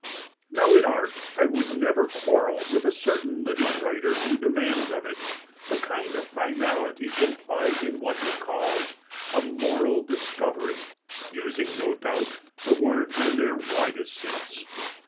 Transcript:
Now, in Art, I would never quarrel with a certain living writer who demands of it the kind of finality implied in what he calls a "moral discovery"—using, no doubt, the words in their widest sense.